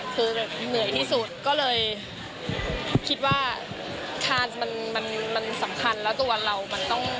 คือแบบเหนื่อยที่สุดก็เลยคิดว่าชาติมันสำคัญแล้วตัวเรามันต้อง